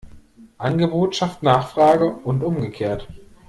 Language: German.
Angebot schafft Nachfrage und umgekehrt.